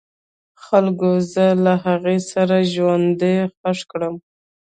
خلکو زه له هغې سره ژوندی خښ کړم.